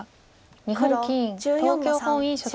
日本棋院東京本院所属。